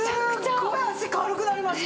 すごい脚軽くなりました！